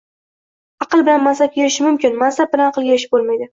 Aql bilan mansabga erishishish mumkin. Mansab bilan aqlga erishib bo’lmaydi.